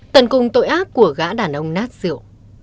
tận cùng tội ác của gả đản ông nát rượu